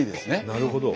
なるほど。